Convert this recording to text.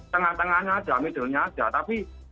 tengah tengahnya ada middlenya ada tapi